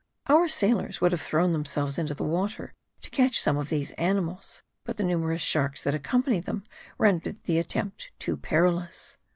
Our sailors would have thrown themselves into the water to catch some of these animals; but the numerous sharks that accompany them rendered the attempt too perilous.